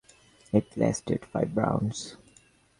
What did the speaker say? It lasted five rounds.